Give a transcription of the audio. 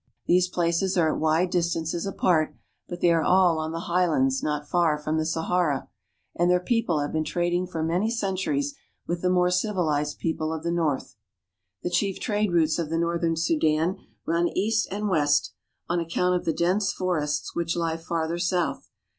These places are at wide distances apart, but they are all on the high lands not far from the Sahara, and their people have been trading for many centuries with the more civilized people of the north. The chief trade routes of the northern Sudan run east and west, on account of the dense forests which lie farther south.